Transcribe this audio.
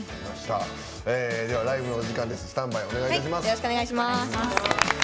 では、ライブの時間です。